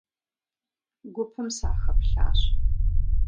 Гупым сахэплъащ.